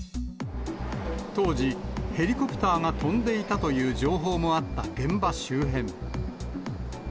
当時、ヘリコプターが飛んでいたという情報もあった現場周辺。